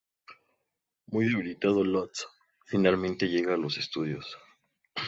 Muy debilitado, Lotz finalmente llega a los estudios.